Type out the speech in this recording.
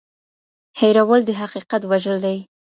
هېرول د حقیقت وژل دي.